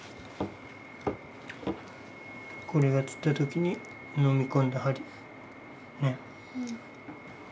これが釣った時に飲み込んだ針。ね？